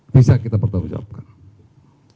bisa kita pertanyaan pertanyaan